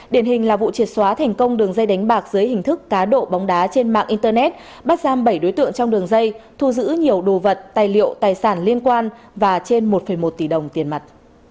điển hình là vụ triệt xóa thành công đường dây đánh bạc dưới hình thức cá độ bóng đá trên mạng internet bắt giam bảy đối tượng trong đường dây thu giữ nhiều đồ vật tài liệu tài sản liên quan và trên một một tỷ đồng tiền mặt